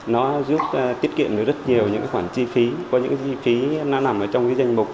nó giúp tiết kiệm được rất nhiều những khoản chi phí có những chi phí nó nằm trong cái danh mục